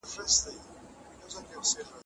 کمپيوټر ډيزاين پاکوي.